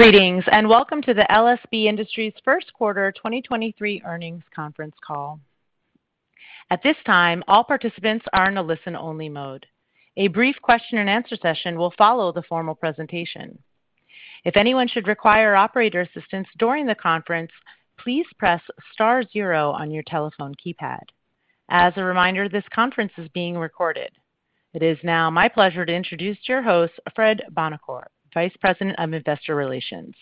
Greetings, welcome to the LSB Industries first quarter 2023 earnings conference call. At this time, all participants are in a listen-only mode. A brief question-and-answer session will follow the formal presentation. If anyone should require operator assistance during the conference, please press star zero on your telephone keypad. As a reminder, this conference is being recorded. It is now my pleasure to introduce your host, Fred Buonocore, Vice President of Investor Relations.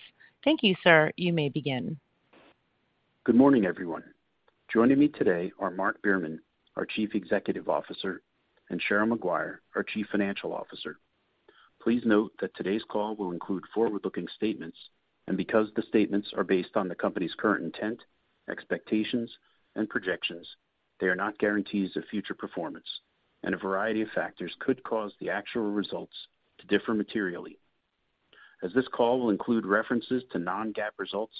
Thank you, sir. You may begin. Good morning, everyone. Joining me today are Mark Behrman, our Chief Executive Officer, and Cheryl Maguire, our Chief Financial Officer. Please note that today's call will include forward-looking statements. Because the statements are based on the company's current intent, expectations, and projections, they are not guarantees of future performance. A variety of factors could cause the actual results to differ materially. As this call will include references to non-GAAP results,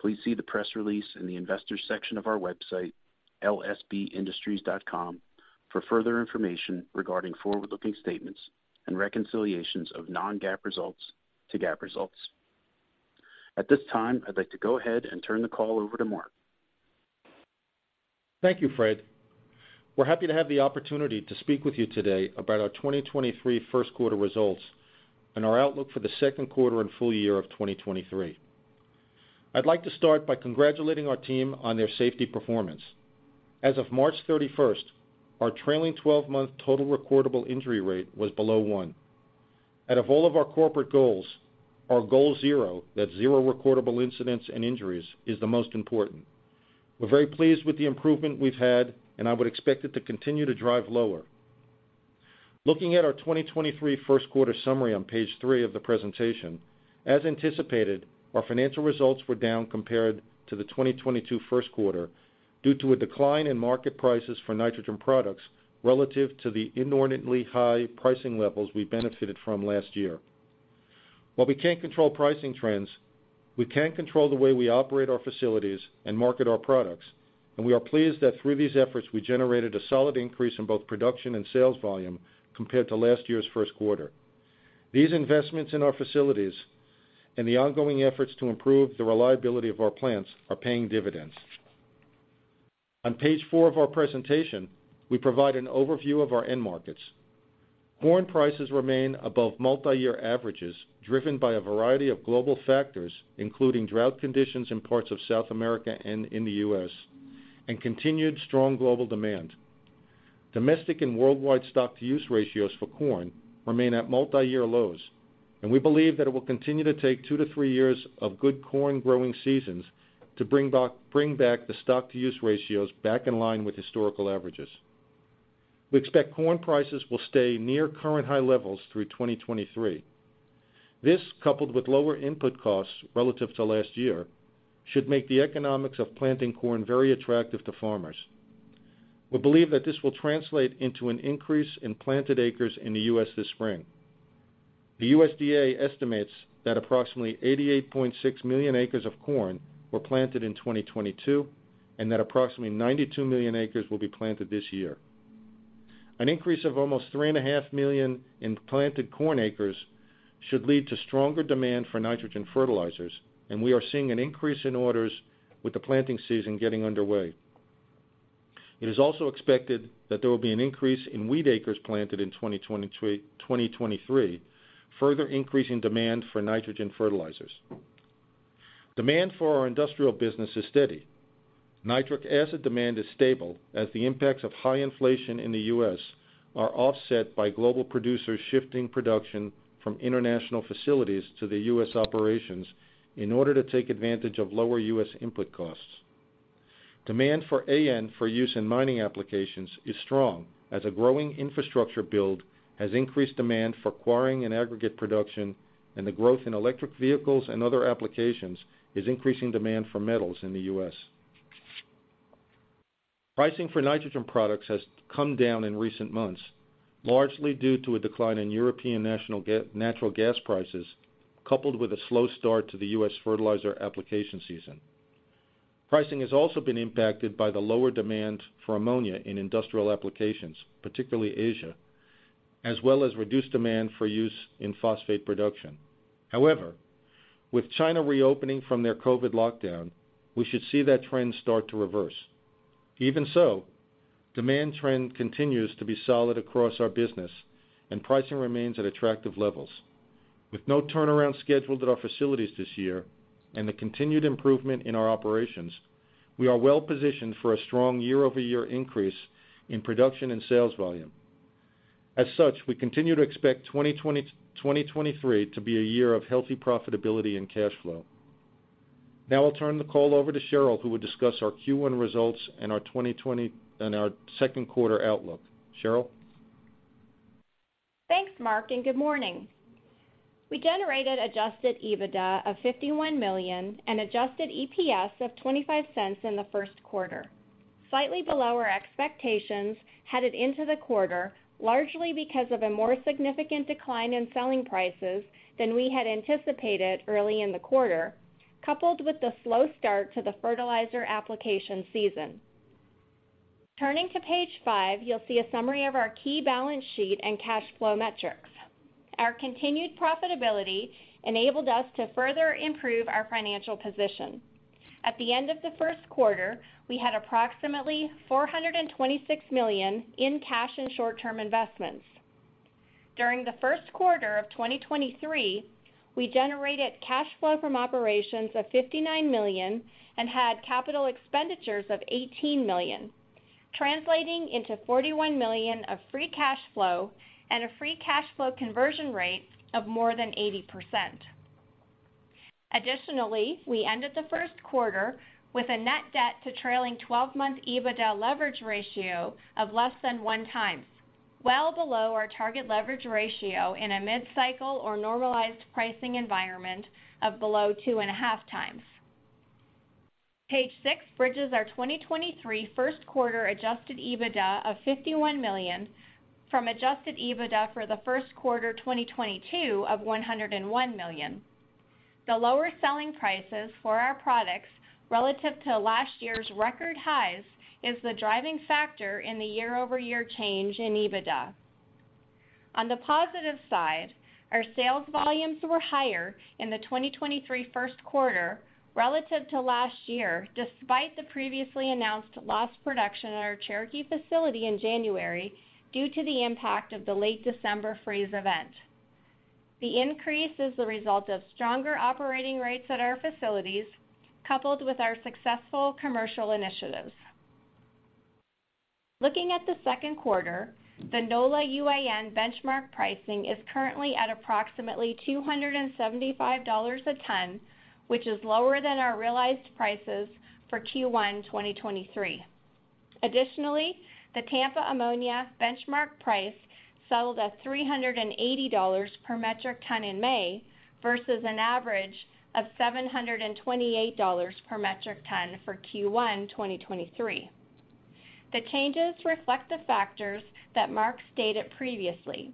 please see the press release in the Investors section of our website, lsbindustries.com, for further information regarding forward-looking statements and reconciliations of non-GAAP results to GAAP results. At this time, I'd like to go ahead and turn the call over to Mark. Thank you, Fred. We're happy to have the opportunity to speak with you today about our 2023 first quarter results and our outlook for the second quarter and full year of 2023. I'd like to start by congratulating our team on their safety performance. As of March 31st, our trailing 12-month total recordable incident rate was below one. Out of all of our corporate goals, our Goal Zero, that's recordable incidents and injuries, is the most important. We're very pleased with the improvement we've had, and I would expect it to continue to drive lower. Looking at our 2023 first quarter summary on page three of the presentation, as anticipated, our financial results were down compared to the 2022 first quarter due to a decline in market prices for nitrogen products relative to the inordinately high pricing levels we benefited from last year. While we can't control pricing trends, we can control the way we operate our facilities and market our products. We are pleased that through these efforts, we generated a solid increase in both production and sales volume compared to last year's first quarter. These investments in our facilities and the ongoing efforts to improve the reliability of our plants are paying dividends. On page four of our presentation, we provide an overview of our end markets. Corn prices remain above multiyear averages, driven by a variety of global factors, including drought conditions in parts of South America and in the U.S., and continued strong global demand. Domestic and worldwide stock-to-use ratios for corn remain at multiyear lows. We believe that it will continue to take two to three years of good corn growing seasons to bring back the stock-to-use ratios back in line with historical averages. We expect corn prices will stay near current high levels through 2023. This, coupled with lower input costs relative to last year, should make the economics of planting corn very attractive to farmers. We believe that this will translate into an increase in planted acres in the U.S. this spring. The USDA estimates that approximately 88.6 million acres of corn were planted in 2022, and that approximately 92 million acres will be planted this year. An increase of almost 3.5 million in planted corn acres should lead to stronger demand for nitrogen fertilizers, and we are seeing an increase in orders with the planting season getting underway. It is also expected that there will be an increase in wheat acres planted in 2023, further increasing demand for nitrogen fertilizers. Demand for our industrial business is steady. Nitric acid demand is stable, as the impacts of high inflation in the U.S. are offset by global producers shifting production from international facilities to the U.S. operations in order to take advantage of lower U.S. input costs. Demand for A.N. for use in mining applications is strong, as a growing infrastructure build has increased demand for quarrying and aggregate production, and the growth in electric vehicles and other applications is increasing demand for metals in the U.S. Pricing for nitrogen products has come down in recent months, largely due to a decline in European natural gas prices, coupled with a slow start to the U.S. fertilizer application season. Pricing has also been impacted by the lower demand for ammonia in industrial applications, particularly Asia, as well as reduced demand for use in phosphate production. However, with China reopening from their COVID lockdown, we should see that trend start to reverse. Even so, demand trend continues to be solid across our business, and pricing remains at attractive levels. With no turnaround scheduled at our facilities this year and the continued improvement in our operations, we are well-positioned for a strong year-over-year increase in production and sales volume. We continue to expect 2023 to be a year of healthy profitability and cash flow. I'll turn the call over to Cheryl, who will discuss our Q1 results and our second quarter outlook. Cheryl? Thanks, Mark. Good morning. We generated adjusted EBITDA of $51 million and adjusted EPS of $0.25 in the first quarter, slightly below our expectations headed into the quarter, largely because of a more significant decline in selling prices than we had anticipated early in the quarter, coupled with the slow start to the fertilizer application season. Turning to page five, you'll see a summary of our key balance sheet and cash flow metrics. Our continued profitability enabled us to further improve our financial position. At the end of the first quarter, we had approximately $426 million in cash and short-term investments. During the first quarter of 2023, we generated cash flow from operations of $59 million and had capital expenditures of $18 million, translating into $41 million of free cash flow and a free cash flow conversion rate of more than 80%. Additionally, we ended the first quarter with a net debt to trailing twelve-month EBITDA leverage ratio of less than 1 times, well below our target leverage ratio in a mid-cycle or normalized pricing environment of below 2.5 times. Page six bridges our 2023 first quarter adjusted EBITDA of $51 million from adjusted EBITDA for the first quarter 2022 of $101 million. The lower selling prices for our products relative to last year's record highs is the driving factor in the year-over-year change in EBITDA. On the positive side, our sales volumes were higher in the 2023 first quarter relative to last year, despite the previously announced lost production at our Cherokee facility in January due to the impact of the late December freeze event. The increase is the result of stronger operating rates at our facilities, coupled with our successful commercial initiatives. Looking at the second quarter, the NOLA UAN benchmark pricing is currently at approximately $275 a ton, which is lower than our realized prices for Q1 2023. The Tampa ammonia benchmark price settled at $380 per metric ton in May versus an average of $728 per metric ton for Q1 2023. The changes reflect the factors that Mark stated previously.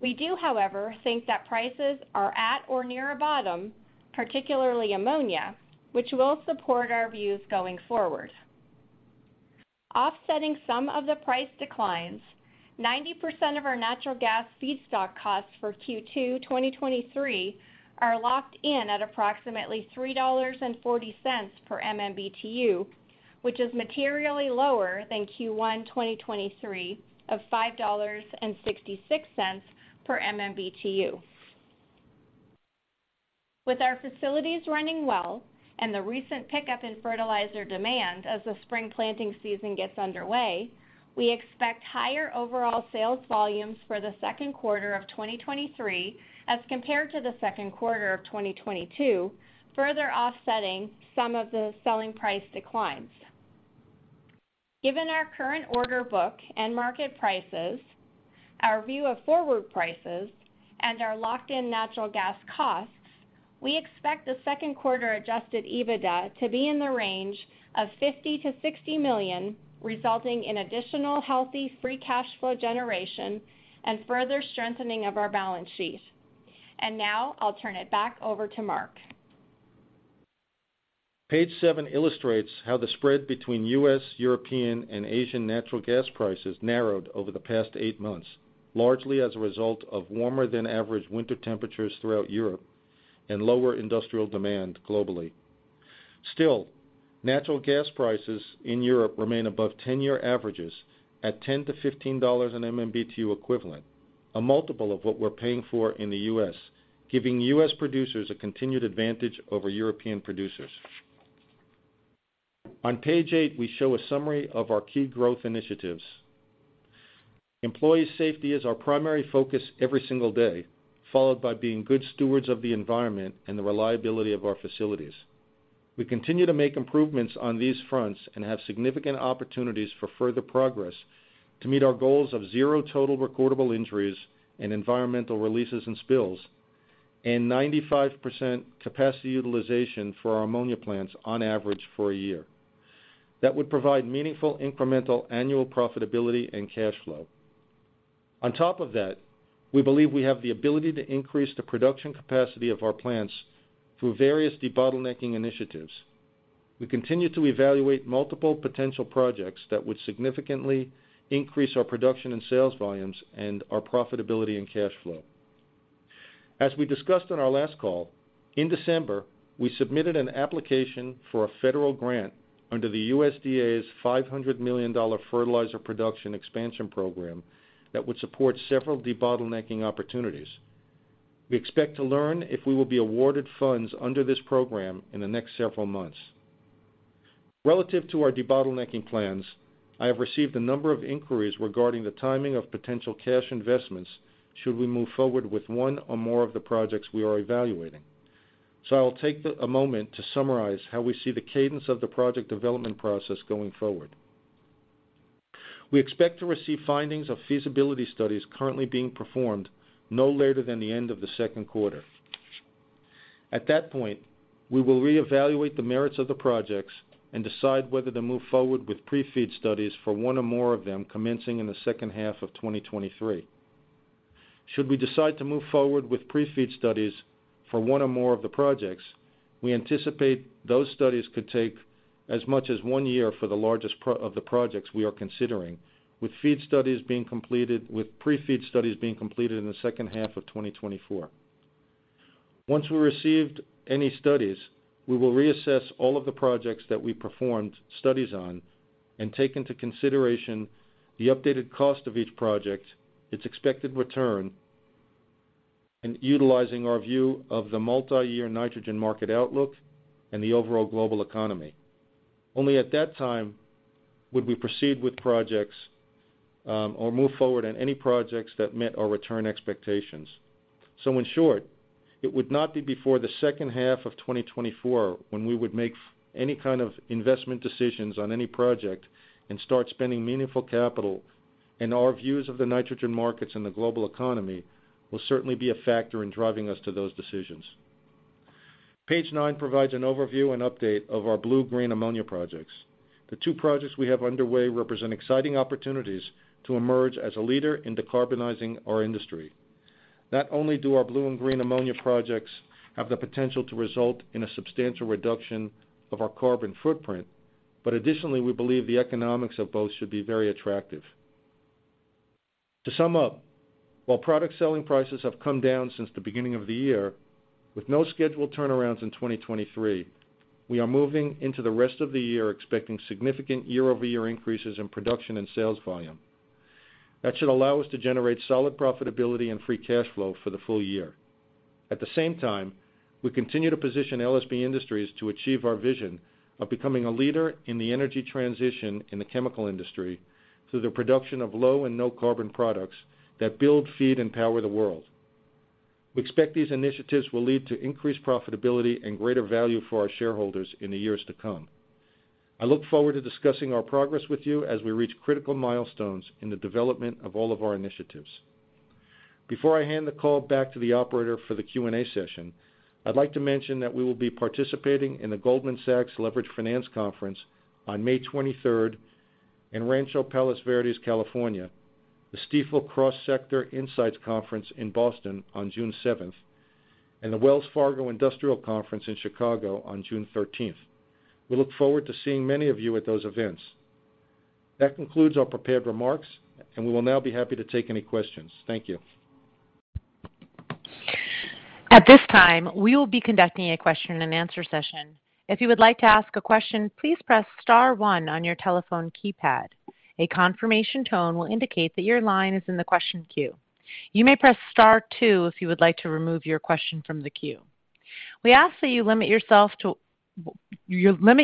We do, however, think that prices are at or near a bottom, particularly ammonia, which will support our views going forward. Offsetting some of the price declines, 90% of our natural gas feedstock costs for Q2 2023 are locked in at approximately $3.40 per MMBtu, which is materially lower than Q1 2023 of $5.66 per MMBtu. With our facilities running well and the recent pickup in fertilizer demand as the spring planting season gets underway, we expect higher overall sales volumes for the second quarter of 2023 as compared to the second quarter of 2022, further offsetting some of the selling price declines. Given our current order book and market prices, our view of forward prices, and our locked-in natural gas costs, we expect the second quarter adjusted EBITDA to be in the range of $50 million-$60 million, resulting in additional healthy free cash flow generation and further strengthening of our balance sheet. Now I'll turn it back over to Mark. Page seven illustrates how the spread between U.S., European, and Asian natural gas prices narrowed over the past eight months, largely as a result of warmer than average winter temperatures throughout Europe and lower industrial demand globally. Still, natural gas prices in Europe remain above 10-year averages at $10-$15 in MMBtu equivalent, a multiple of what we're paying for in the U.S., giving U.S. producers a continued advantage over European producers. On page eight, we show a summary of our key growth initiatives. Employee safety is our primary focus every single day, followed by being good stewards of the environment and the reliability of our facilities. We continue to make improvements on these fronts and have significant opportunities for further progress to meet our goals of zero total recordable injuries and environmental releases and spills, and 95% capacity utilization for our ammonia plants on average for a year. That would provide meaningful incremental annual profitability and cash flow. On top of that, we believe we have the ability to increase the production capacity of our plants through various debottlenecking initiatives. We continue to evaluate multiple potential projects that would significantly increase our production and sales volumes and our profitability and cash flow. As we discussed on our last call, in December, we submitted an application for a federal grant under the USDA's $500 million Fertilizer Production Expansion Program that would support several debottlenecking opportunities. We expect to learn if we will be awarded funds under this program in the next several months. Relative to our debottlenecking plans, I have received a number of inquiries regarding the timing of potential cash investments should we move forward with one or more of the projects we are evaluating. I'll take a moment to summarize how we see the cadence of the project development process going forward. We expect to receive findings of feasibility studies currently being performed no later than the end of the second quarter. At that point, we will reevaluate the merits of the projects and decide whether to move forward with Pre-FEED studies for one or more of them commencing in the second half of 2023. Should we decide to move forward with Pre-FEED studies for one or more of the projects, we anticipate those studies could take as much as one year for the largest of the projects we are considering, with Pre-FEED studies being completed in the second half of 2024. Once we received any studies, we will reassess all of the projects that we performed studies on and take into consideration the updated cost of each project, its expected return, and utilizing our view of the multiyear nitrogen market outlook and the overall global economy. Only at that time would we proceed with projects, or move forward on any projects that met our return expectations. In short, it would not be before the second half of 2024 when we would make any kind of investment decisions on any project and start spending meaningful capital. Our views of the nitrogen markets and the global economy will certainly be a factor in driving us to those decisions. Page nine provides an overview and update of our blue green ammonia projects. The two projects we have underway represent exciting opportunities to emerge as a leader in decarbonizing our industry. Not only do our blue and green ammonia projects have the potential to result in a substantial reduction of our carbon footprint, additionally, we believe the economics of both should be very attractive. To sum up, while product selling prices have come down since the beginning of the year, with no scheduled turnarounds in 2023, we are moving into the rest of the year expecting significant year-over-year increases in production and sales volume. That should allow us to generate solid profitability and free cash flow for the full year. At the same time, we continue to position LSB Industries to achieve our vision of becoming a leader in the energy transition in the chemical industry through the production of low and no carbon products that build, feed and power the world. We expect these initiatives will lead to increased profitability and greater value for our shareholders in the years to come. I look forward to discussing our progress with you as we reach critical milestones in the development of all of our initiatives. Before I hand the call back to the operator for the Q&A session, I'd like to mention that we will be participating in the Goldman Sachs Leveraged Finance Conference on May 23rd in Rancho Palos Verdes, California, the Stifel Cross Sector Insight Conference in Boston on June 7th, and the Wells Fargo Industrials Conference in Chicago on June 13th. We look forward to seeing many of you at those events. That concludes our prepared remarks, and we will now be happy to take any questions. Thank you. At this time, we will be conducting a question and answer session. If you would like to ask a question, please press star one on your telephone keypad. A confirmation tone will indicate that your line is in the question queue. You may press star two if you would like to remove your question from the queue. We ask that you limit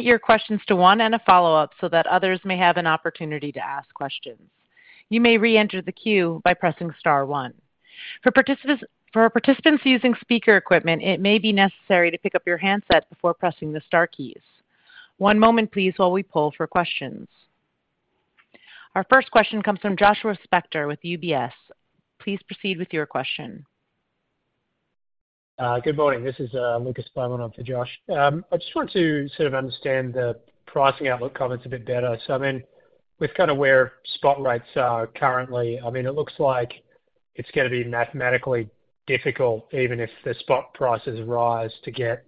your questions to one and a follow-up so that others may have an opportunity to ask questions. You may reenter the queue by pressing star one. For our participants using speaker equipment, it may be necessary to pick up your handset before pressing the star keys. One moment please while we poll for questions. Our first question comes from Joshua Spector with UBS. Please proceed with your question. Good morning. This is Lukas Spielmann on for Josh. I just want to sort of understand the pricing outlook comments a bit better. I mean, with kind of where spot rates are currently, I mean, it looks like it's gonna be mathematically difficult, even if the spot prices rise to get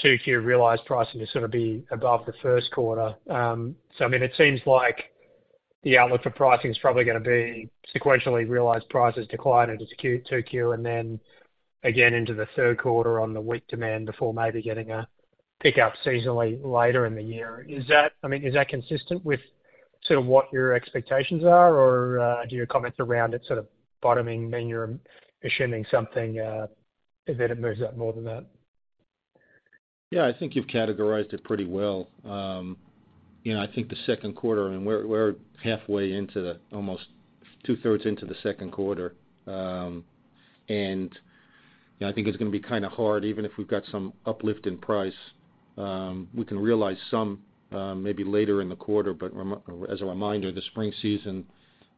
two-tier realized pricing to sort of be above the first quarter. I mean, it seems like the outlook for pricing is probably gonna be sequentially realized prices decline into 2Q, and then again into the third quarter on the weak demand before maybe getting a pick-up seasonally later in the year. Is that, I mean, is that consistent with sort of what your expectations are, or do your comments around it sort of bottoming, then you're assuming something, if that it moves up more than that? Yeah. I think you've categorized it pretty well. You know, I think the second quarter, we're halfway into the almost two-thirds into the second quarter. You know, I think it's gonna be kind of hard even if we've got some uplift in price. We can realize some, maybe later in the quarter. As a reminder, the spring season,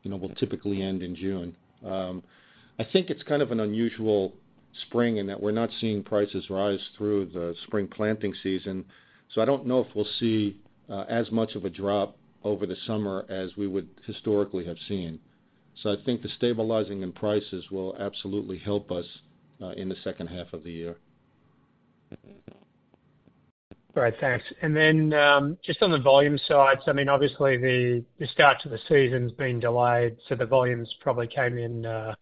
you know, will typically end in June. I think it's kind of an unusual spring in that we're not seeing prices rise through the spring planting season. I don't know if we'll see as much of a drop over the summer as we would historically have seen. I think the stabilizing in prices will absolutely help us in the second half of the year. All right. Thanks. Just on the volume side, I mean, obviously the start to the season's been delayed, the volumes probably came in, a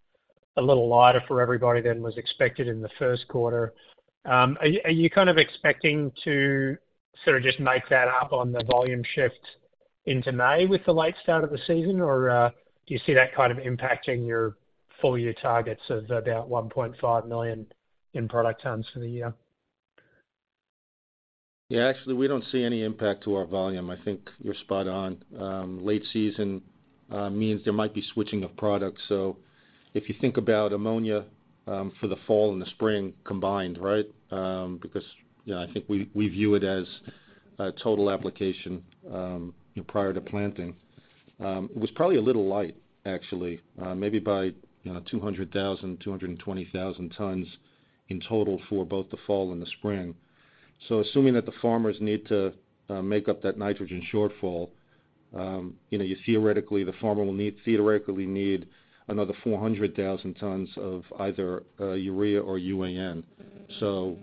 little lighter for everybody than was expected in the first quarter. Are you kind of expecting to sort of just make that up on the volume shift into May with the late start of the season? Do you see that kind of impacting your full year targets of about 1.5 million in product tons for the year? Yeah. Actually, we don't see any impact to our volume. I think you're spot on. late season means there might be switching of products. If you think about ammonia for the fall and the spring combined, right? Because, you know, I think we view it as a total application, you know, prior to planting. it was probably a little light actually, maybe by, you know, 200,000, 220,000 tons in total for both the fall and the spring. Assuming that the farmers need to make up that nitrogen shortfall, you know, you theoretically, the farmer will theoretically need another 400,000 tons of either urea or UAN.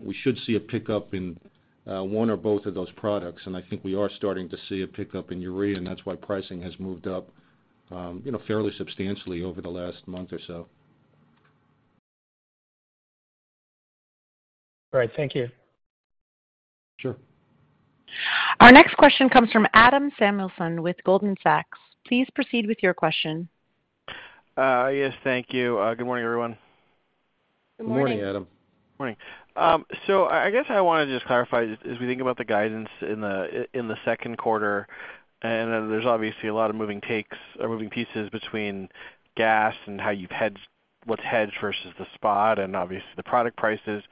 We should see a pickup in one or both of those products, and I think we are starting to see a pickup in urea, and that's why pricing has moved up, you know, fairly substantially over the last month or so. All right. Thank you. Sure. Our next question comes from Adam Samuelson with Goldman Sachs. Please proceed with your question. Yes, thank you. Good morning, everyone. Good morning. Good morning, Adam. Morning. I guess I want to just clarify as we think about the guidance in the second quarter, and then there's obviously a lot of moving takes or moving pieces between gas and what's hedged versus the spot and obviously the product prices.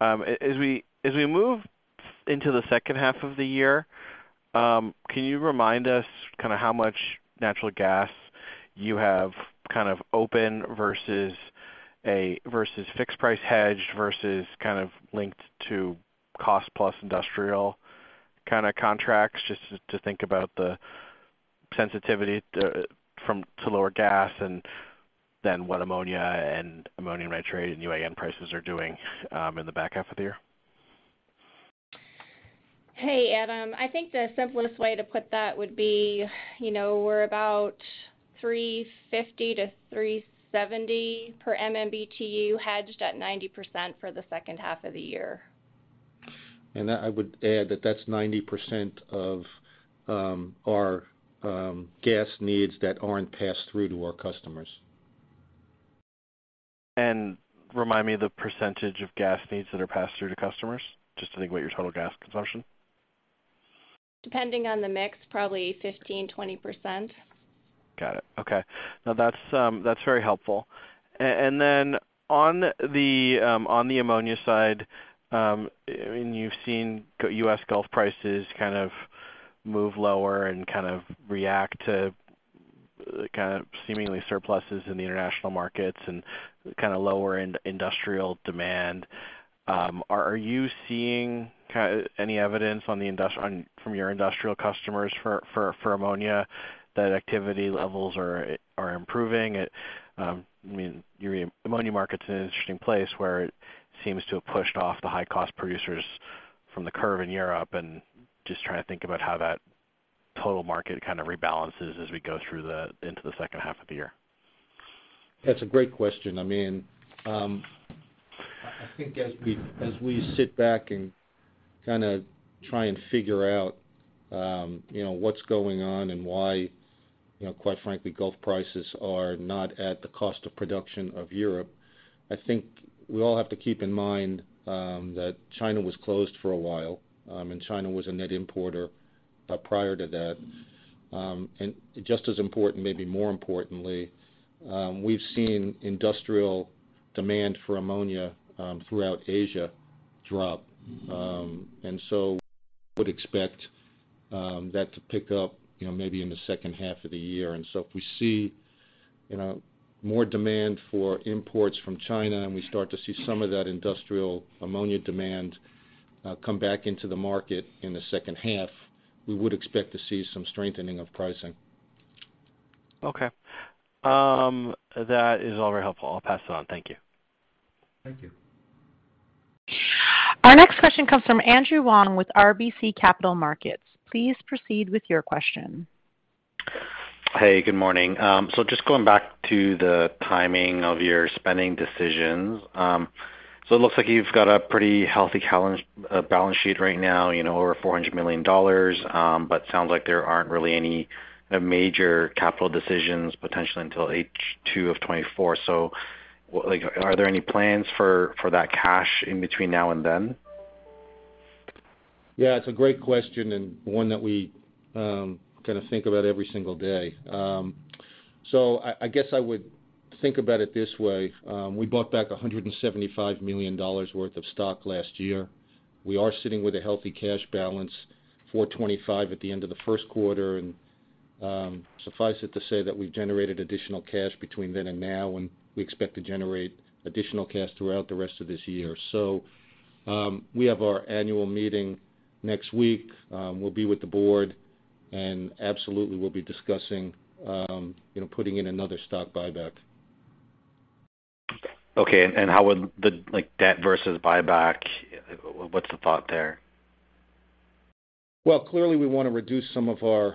As we move into the second half of the year, can you remind us kinda how much natural gas you have kind of open versus fixed price hedged versus kind of linked to cost-plus industrial kinda contracts just to think about the sensitivity to lower gas and then what ammonia and ammonium nitrate and UAN prices are doing in the back half of the year? Hey, Adam. I think the simplest way to put that would be, you know, we're about $3.50-$3.70 per MMBtu hedged at 90% for the second half of the year. That I would add that that's 90% of our gas needs that aren't passed through to our customers. Remind me the % of gas needs that are passed through to customers, just to think about your total gas consumption. Depending on the mix, probably 15%, 20%. Got it. Okay. No, that's very helpful. Then on the ammonia side, and you've seen U.S. Gulf prices kind of move lower and kind of react to kind of seemingly surpluses in the international markets and kind of lower industrial demand. Are you seeing any evidence from your industrial customers for ammonia that activity levels are improving? I mean, ammonia market's an interesting place where it seems to have pushed off the high-cost producers from the curve in Europe and just trying to think about how that total market kind of rebalances as we go through into the second half of the year. That's a great question. I mean, I think as we sit back and kinda try and figure out, you know, what's going on and why, you know, quite frankly, Gulf prices are not at the cost of production of Europe. I think we all have to keep in mind that China was closed for a while, and China was a net importer prior to that. Just as important, maybe more importantly, we've seen industrial demand for ammonia throughout Asia drop. So would expect that to pick up, you know, maybe in the second half of the year. If we see, you know, more demand for imports from China, and we start to see some of that industrial ammonia demand, come back into the market in the second half, we would expect to see some strengthening of pricing. Okay. That is all very helpful. I'll pass it on. Thank you. Thank you. Our next question comes from Andrew Wong with RBC Capital Markets. Please proceed with your question. Hey, good morning. Just going back to the timing of your spending decisions. It looks like you've got a pretty healthy balance sheet right now, you know, over $400 million, sounds like there aren't really any major capital decisions potentially until H2 of 2024. Like, are there any plans for that cash in between now and then? Yeah, it's a great question and one that we, kinda think about every single day. I guess I would think about it this way. We bought back $175 million worth of stock last year. We are sitting with a healthy cash balance, $425 million at the end of the first quarter. Suffice it to say that we've generated additional cash between then and now, and we expect to generate additional cash throughout the rest of this year. We have our annual meeting next week. We'll be with the board, and absolutely, we'll be discussing, you know, putting in another stock buyback. Okay. How would the, like, debt versus buyback, what's the thought there? Well, clearly, we wanna reduce some of our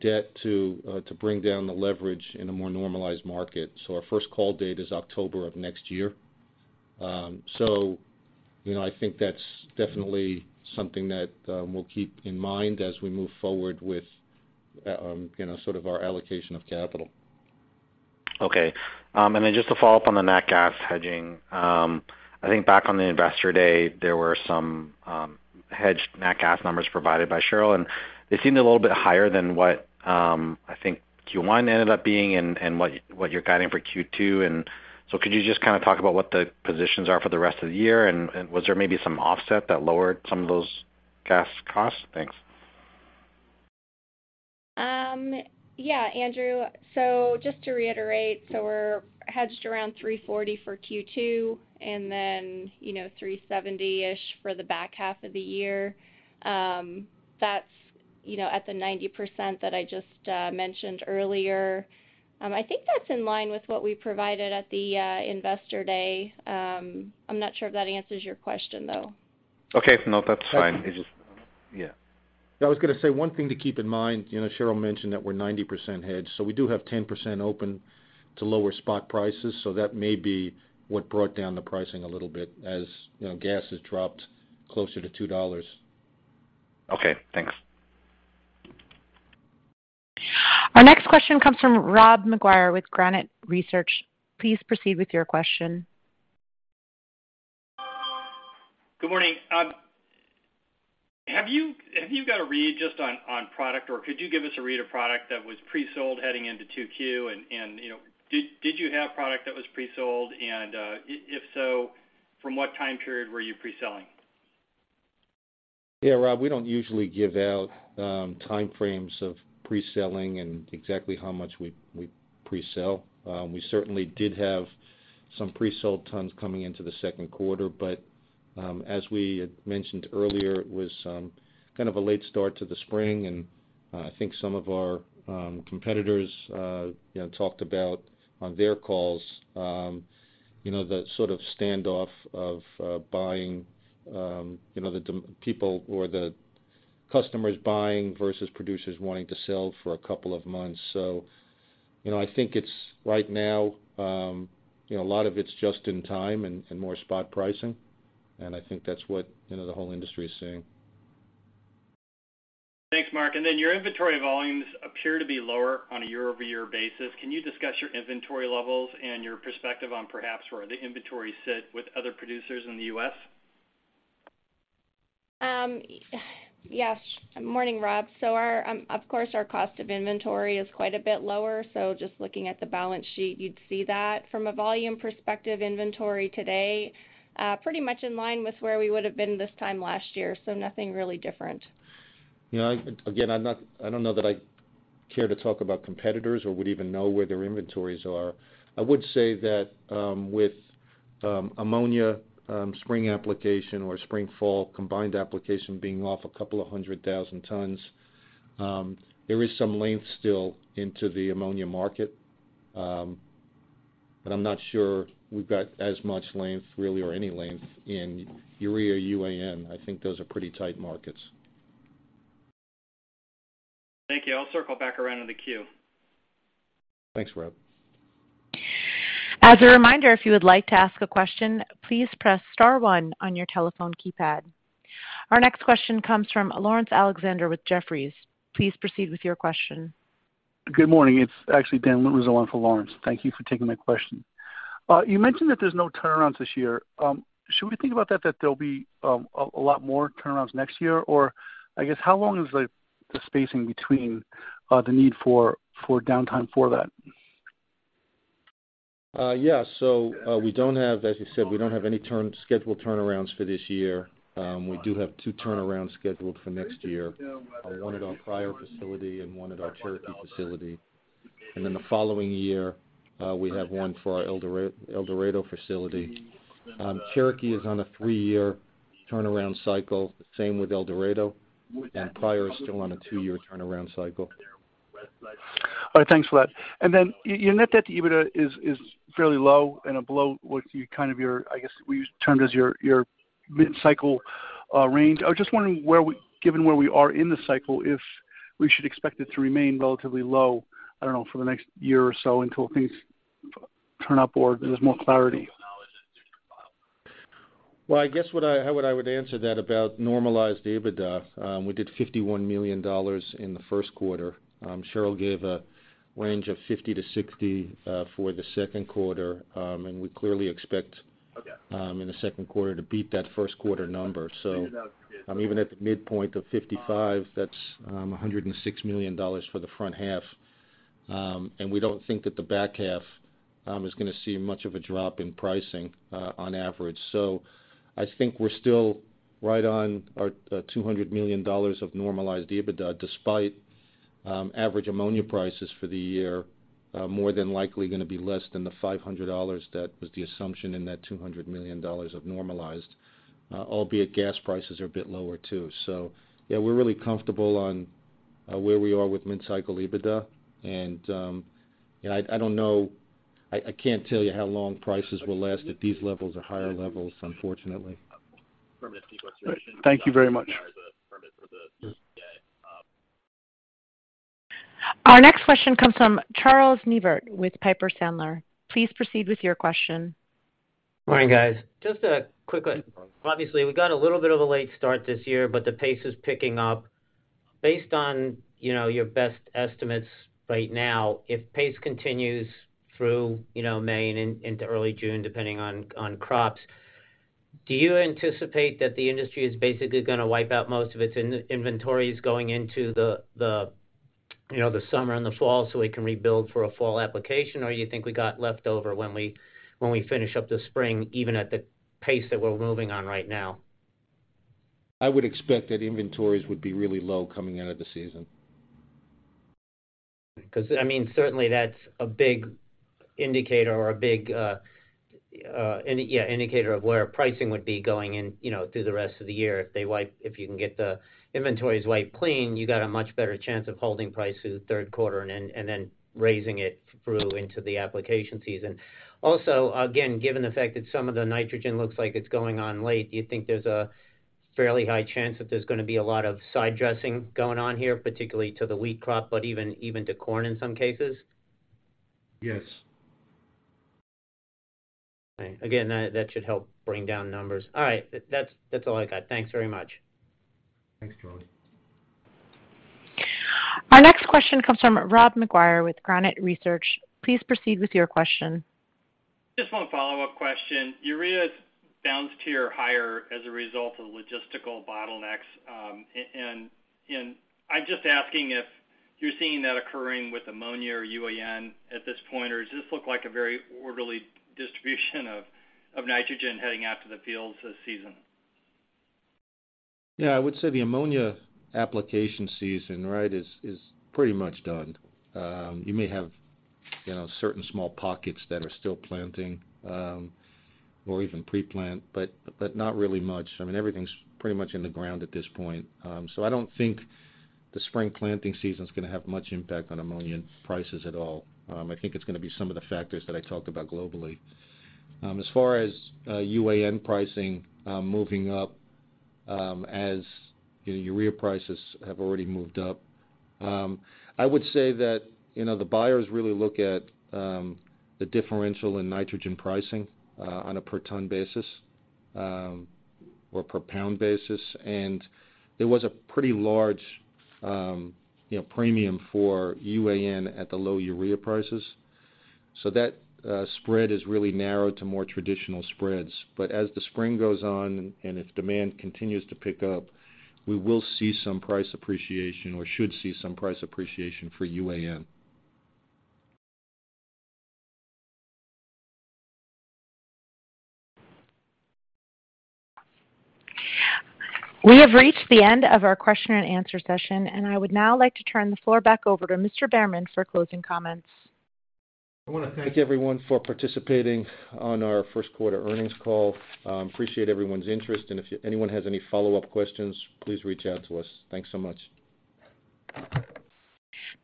debt to bring down the leverage in a more normalized market. Our first call date is October of next year. you know, I think that's definitely something that we'll keep in mind as we move forward with, you know, sort of our allocation of capital. Okay. Then just to follow up on the nat gas hedging. I think back on the Investor Day, there were some hedged nat gas numbers provided by Cheryl, and they seemed a little bit higher than what, I think Q1 ended up being and what you're guiding for Q2. So could you just kinda talk about what the positions are for the rest of the year? Was there maybe some offset that lowered some of those gas costs? Thanks. Yeah, Andrew. Just to reiterate, we're hedged around $340 for Q2 and then, you know, $370-ish for the back half of the year. You know, at the 90% that I just mentioned earlier. I think that's in line with what we provided at the Investor Day. I'm not sure if that answers your question, though. Okay. If not, that's fine. It's just. Yeah. I was gonna say, one thing to keep in mind, you know, Cheryl mentioned that we're 90% hedged. We do have 10% open to lower spot prices. That may be what brought down the pricing a little bit as, you know, gas has dropped closer to $2. Okay, thanks. Our next question comes from Rob McGuire with Granite Research. Please proceed with your question. Good morning. Have you got a read just on product, or could you give us a read of product that was pre-sold heading into 2Q? You know, did you have product that was pre-sold? If so, from what time period were you pre-selling? Yeah, Rob, we don't usually give out time frames of pre-selling and exactly how much we pre-sell. We certainly did have some pre-sold tons coming into the second quarter. As we had mentioned earlier, it was kind of a late start to the spring. I think some of our competitors, you know, talked about on their calls, you know, the sort of standoff of buying, you know, the people or the customers buying versus producers wanting to sell for a couple of months. You know, I think it's right now, you know, a lot of it's just in time and more spot pricing, and I think that's what, you know, the whole industry is seeing. Thanks, Mark. Your inventory volumes appear to be lower on a year-over-year basis. Can you discuss your inventory levels and your perspective on perhaps where the inventory sit with other producers in the U.S.? Yes. Morning, Rob. Our, of course, our cost of inventory is quite a bit lower. Just looking at the balance sheet, you'd see that. From a volume perspective inventory today, pretty much in line with where we would have been this time last year. Nothing really different. Yeah. Again, I don't know that I care to talk about competitors or would even know where their inventories are. I would say that with ammonia, spring application or spring fall combined application being off a couple of 100,000 tons, there is some length still into the ammonia market. I'm not sure we've got as much length really or any length in urea UAN. I think those are pretty tight markets. Thank you. I'll circle back around in the queue. Thanks, Rob. As a reminder, if you would like to ask a question, please press star one on your telephone keypad. Our next question comes from Laurence Alexander with Jefferies. Please proceed with your question. Good morning. It's actually Dan Rizzo on for Laurence. Thank you for taking my question. You mentioned that there's no turnarounds this year. Should we think about that there'll be a lot more turnarounds next year? I guess, how long is the spacing between the need for downtime for that? We don't have, as you said, we don't have any scheduled turnarounds for this year. We do have two turnarounds scheduled for next year. One at our Pryor facility and one at our Cherokee facility. The following year, we have one for our El Dorado facility. Cherokee is on a three-year turnaround cycle, same with El Dorado. Pryor is still on a two-year turnaround cycle. All right. Thanks for that. Then your net debt to EBITDA is fairly low and below what you kind of your, I guess, we use termed as your mid-cycle range. I was just wondering given where we are in the cycle, if we should expect it to remain relatively low, I don't know, for the next year or so until things turn up or there's more clarity? Well, I guess how I would answer that about normalized EBITDA, we did $51 million in the first quarter. Cheryl gave a range of $50 million-$60 million for the second quarter. We clearly expect. Okay. in the second quarter to beat that first quarter number. Even at the midpoint of 55, that's $106 million for the front half. We don't think that the back half is gonna see much of a drop in pricing on average. I think we're still right on our $200 million of normalized EBITDA, despite average ammonia prices for the year more than likely gonna be less than $500. That was the assumption in that $200 million of normalized, albeit gas prices are a bit lower too. Yeah, we're really comfortable on where we are with mid-cycle EBITDA. I don't know I can't tell you how long prices will last at these levels or higher levels, unfortunately. Great. Thank you very much. Our next question comes from Charles Neivert with Piper Sandler. Please proceed with your question. Morning, guys. Just a quick one. Obviously, we got a little bit of a late start this year, the pace is picking up. Based on, you know, your best estimates right now, if pace continues through, you know, May and into early June, depending on crops, do you anticipate that the industry is basically gonna wipe out most of its inventories going into the, you know, the summer and the fall so it can rebuild for a fall application? You think we got left over when we finish up the spring, even at the pace that we're moving on right now? I would expect that inventories would be really low coming out of the season. I mean, certainly that's a big indicator or a big indicator of where pricing would be going in, you know, through the rest of the year if you can get the inventories wiped clean, you got a much better chance of holding price through the third quarter and then raising it through into the application season. Again, given the fact that some of the nitrogen looks like it's going on late, do you think there's a fairly high chance that there's gonna be a lot of side dressing going on here, particularly to the wheat crop, but even to corn in some cases? Yes. Okay. That should help bring down numbers. All right, that's all I got. Thanks very much. Thanks, Charles. Our next question comes from Rob Maguire with Granite Research. Please proceed with your question. Just one follow-up question. Urea's bounced here higher as a result of logistical bottlenecks, and I'm just asking if you're seeing that occurring with ammonia or UAN at this point, or does this look like a very orderly distribution of nitrogen heading out to the fields this season? Yeah, I would say the ammonia application season, right, is pretty much done. You may have, you know, certain small pockets that are still planting, or even pre-plant, but not really much. I mean, everything's pretty much in the ground at this point. I don't think the spring planting season's gonna have much impact on ammonia prices at all. I think it's gonna be some of the factors that I talked about globally. As far as UAN pricing, moving up, as, you know, urea prices have already moved up, I would say that, you know, the buyers really look at the differential in nitrogen pricing, on a per ton basis, or per pound basis. There was a pretty large, you know, premium for UAN at the low urea prices. That spread has really narrowed to more traditional spreads. As the spring goes on and if demand continues to pick up, we will see some price appreciation or should see some price appreciation for UAN. We have reached the end of our question and answer session, and I would now like to turn the floor back over to Mr. Behrman for closing comments. I wanna thank everyone for participating on our first quarter earnings call. Appreciate everyone's interest, and if anyone has any follow-up questions, please reach out to us. Thanks so much.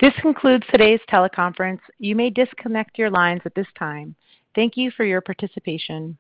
This concludes today's teleconference. You may disconnect your lines at this time. Thank you for your participation.